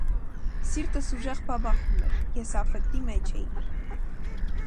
Սիրտս ուժեղ բաբախում էր, ես աֆեկտի մեջ էի։